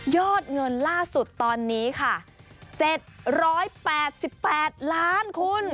อดเงินล่าสุดตอนนี้ค่ะ๗๘๘ล้านคุณ